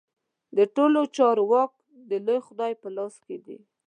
د ټولو چارو واک د لوی خدای په لاس کې دی.